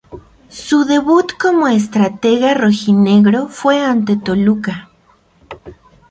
Su debut como estratega rojinegro fue ante Toluca.